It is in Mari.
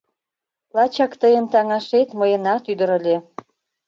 Лачак тыйын таҥашет мыйынат ӱдыр ыле.